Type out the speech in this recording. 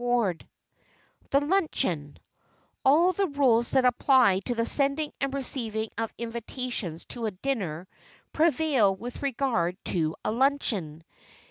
[Sidenote: THE LUNCHEON] All the rules that apply to the sending and receiving of invitations to a dinner prevail with regard to a luncheon.